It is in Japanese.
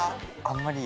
あんまり。